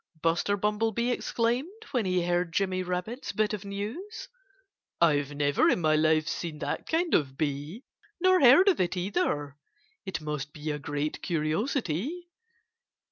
Buster Bumblebee exclaimed, when he heard Jimmy Rabbit's bit of news. "I've never in my life seen that kind of bee nor heard of it, either.... It must be a great curiosity."